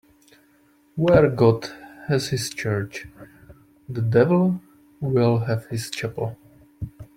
Where God has his church, the devil will have his chapel